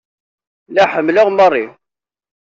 Lliɣ ḥemmleɣ Mary.